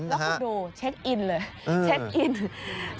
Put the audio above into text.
ดูเช็คอินเลย